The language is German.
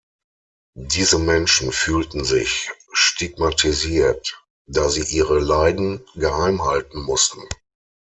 Diese Menschen fühlten sich stigmatisiert, da sie ihre Leiden geheim halten mussten.